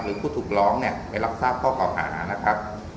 หรือผู้ถูกร้องเนี่ยไปรักศาสตร์ข้อเกราะหานะครับ